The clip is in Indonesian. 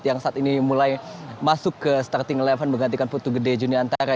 yang saat ini mulai masuk ke starting eleven menggantikan putu gede juni antara